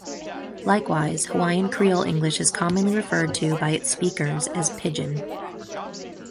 Likewise, Hawaiian Creole English is commonly referred to by its speakers as "Pidgin".